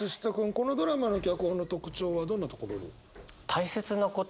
このドラマの脚本の特徴はどんなところに？